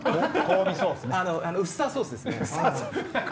ウスターソースですね。